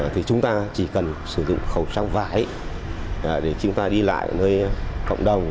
thì chúng ta chỉ cần sử dụng khẩu trang vải để chúng ta đi lại nơi cộng đồng